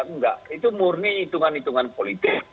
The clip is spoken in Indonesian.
enggak itu murni hitungan hitungan politik